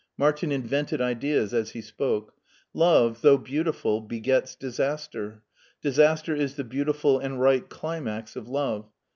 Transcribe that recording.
Martin invented ideas as he spoke. Love, though beautiful, b^ets disaster. Disaster is the beautiful and right climax of love.